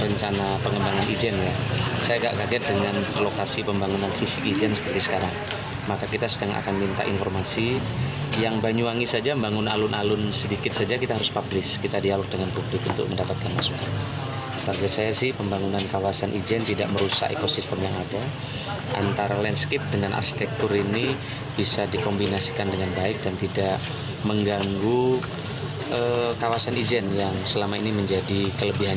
yang tidak mengganggu kawasan ijen yang selama ini menjadi kelebihannya salah satunya landscape dan apa namanya tata ruang di kawasan ijen